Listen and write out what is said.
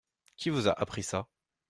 Qui vous a appris ça ?